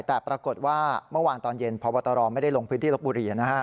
แต่ปรากฏว่าเมื่อวานตอนเย็นพบตรไม่ได้ลงพื้นที่ลบบุรี